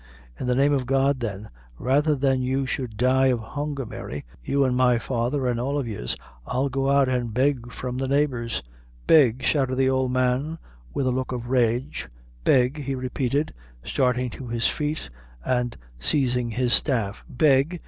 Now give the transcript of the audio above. In the name of God, then, rather than you should die of hunger, Mary you an' my father an' all of yez I'll go out and beg from the neighbors." "Beg!" shouted the old man, with a look of rage "beg!" he repeated, starting to his feet and seizing his staff "beg!